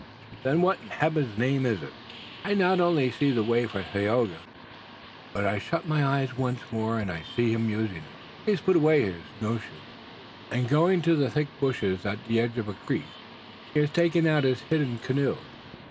"Then what, in Heaven's name, is it?" "I not only see the way for Tayoga, but I shut my eyes once more and I see him using it. He has put away his snow shoes, and, going to the thick bushes at the edge of a creek, he has taken out his hidden canoe.